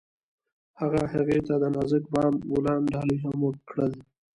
هغه هغې ته د نازک بام ګلان ډالۍ هم کړل.